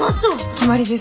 決まりです。